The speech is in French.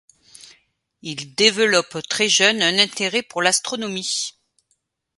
Il développe, très jeune, un intérêt pour l'astronomie.